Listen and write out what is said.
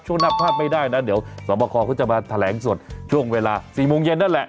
ช่วงหน้าพลาดไม่ได้นะเดี๋ยวสวบคอเขาจะมาแถลงสดช่วงเวลา๔โมงเย็นนั่นแหละ